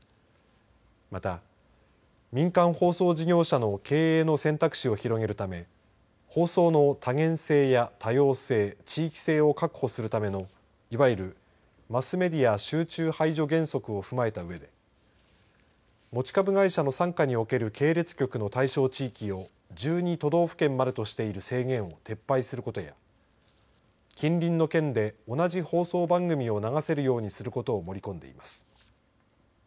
また民間放送事業者の経営の選択肢を広げるため放送の多元性や多様性地域性を確保するためのいわゆるマスメディア集中排除原則を踏まえたうえで持株会社の傘下に置ける系列局の対象地域を１２都道府県までとしている制限を撤廃することや近隣の県で同じ放送番組を流せるようにすることを盛り込んでいます。